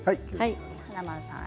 華丸さん